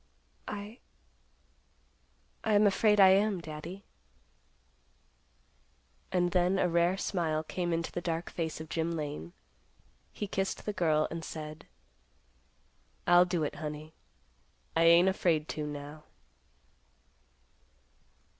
"I—I am afraid I am, Daddy." And then, a rare smile came into the dark face of Jim Lane. He kissed the girl and said, "I'll do it, honey. I ain't afraid to, now."